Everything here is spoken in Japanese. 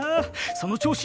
その調子！